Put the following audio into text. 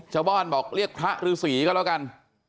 เจ้าบ้อนบอกเรียกพระฤาษีก็แล้วกัน